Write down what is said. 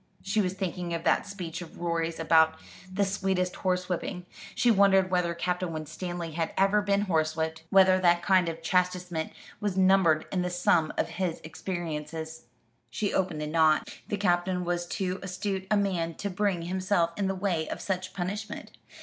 She was thinking of that speech of Rorie's about the "sweetest horsewhipping." She wondered whether Captain Winstanley had ever been horsewhipped; whether that kind of chastisement was numbered in the sum of his experiences. She opined not. The Captain was too astute a man to bring himself in the way of such punishment.